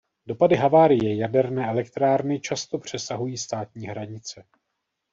Dopady havárie jaderné elektrárny často přesahují státní hranice.